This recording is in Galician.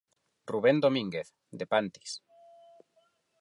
Rubén Domínguez, de Pantis.